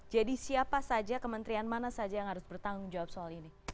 jadi siapa saja kementerian mana saja yang harus bertanggung jawab soal ini